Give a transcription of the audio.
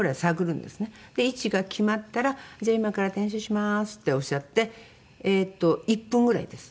で位置が決まったら「じゃあ今から点射します」っておっしゃって１分ぐらいです。